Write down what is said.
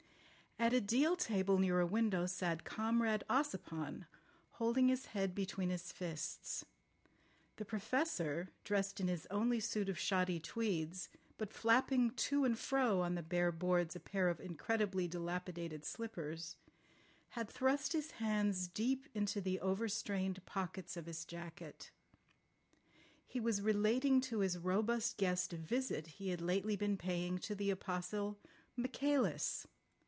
At a deal table near a window sat Comrade Ossipon, holding his head between his fists. The Professor, dressed in his only suit of shoddy tweeds, but flapping to and fro on the bare boards a pair of incredibly dilapidated slippers, had thrust his hands deep into the overstrained pockets of his jacket. He was relating to his robust guest a visit he had lately been paying to the Apostle Michaelis.